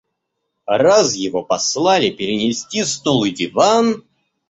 Раз его послали перенести стол и диван.